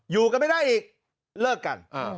อยู่กันไม่ได้อีกเลิกกัน